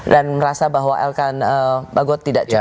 dan merasa bahwa elkan bagot tidak cukup